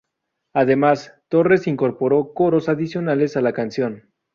Además, Torres incorporó coros adicionales a la canción.